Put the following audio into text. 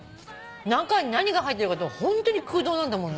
中に何が入ってるかとホントに空洞なんだもんね。